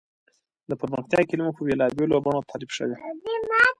د پرمختیا کلیمه په بېلابېلو بڼو تعریف شوې.